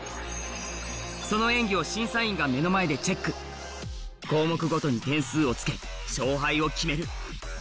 その演技を審査員が目の前でチェック項目ごとに点数をつけ勝敗を決める